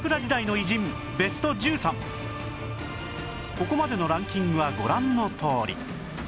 ここまでのランキングはご覧のとおり